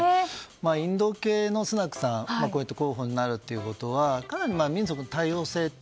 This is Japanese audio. インド系のスナクさんこうして候補になるということはかなり民族の多様性